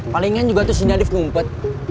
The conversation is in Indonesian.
palingan juga tuh si nadif ngumpet